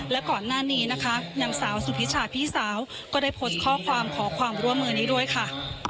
และก่อนหน้านี้นะคะนางสาวสุธิชาพี่สาวก็ได้โพสต์ข้อความขอความร่วมมือนี้ด้วยค่ะ